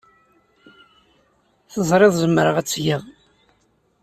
Teẓriḍ zemreɣ ad tt-geɣ.